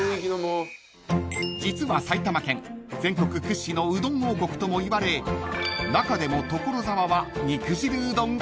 ［実は埼玉県全国屈指のうどん王国ともいわれ中でも所沢は］